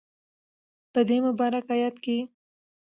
په دی مبارک ایت کی